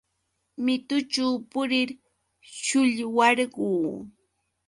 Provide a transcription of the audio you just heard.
Mitućhu purir shullwarquu.